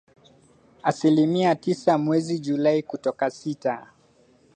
Asilimia tisa mwezi Julai kutoka sita.